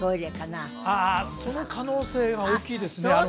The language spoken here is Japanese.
ああその可能性は大きいですね